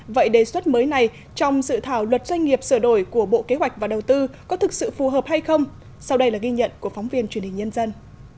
vậy đề xuất mới này trong dự thảo luật doanh nghiệp sửa đổi của bộ kế hoạch và đầu tư có thực sự phù hợp hay không sau đây là ghi nhận của phóng viên truyền hình nhân dân